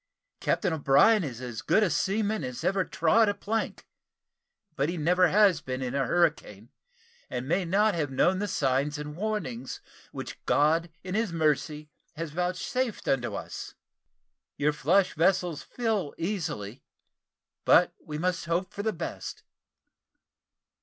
Captain O'Brien is as good a seaman as ever trod a plank; but he never has been in a hurricane, and may not have known the signs and warnings which God in His Mercy has vouchsafed unto us. Your flush vessels fill easily but we must hope for the best."